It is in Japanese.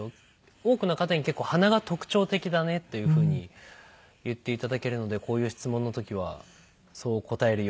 多くの方に結構鼻が特徴的だねという風に言っていただけるのでこういう質問の時はそう答えるようにしてます。